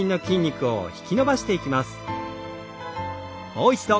もう一度。